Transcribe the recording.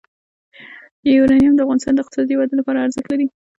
یورانیم د افغانستان د اقتصادي ودې لپاره ارزښت لري.